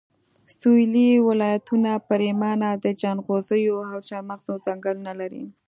سويلي ولایتونه پرېمانه د جنغوزیو او چارمغزو ځنګلونه لري